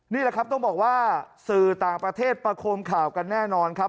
นี่แหละครับต้องบอกว่าสื่อต่างประเทศประโคมข่าวกันแน่นอนครับ